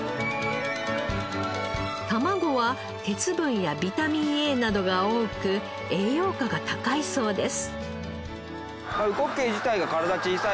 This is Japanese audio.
卵は鉄分やビタミンＡなどが多く栄養価が高いそうです。